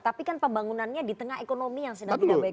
tapi kan pembangunannya di tengah ekonomi yang sedang tidak baik